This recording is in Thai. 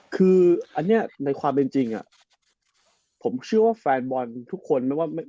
คืออันเนี่ยในความเป็นจริงอะผมเชื่อว่าแฟนวอนทุกคน